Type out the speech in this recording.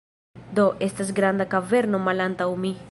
Do, estas granda kaverno malantaŭ mi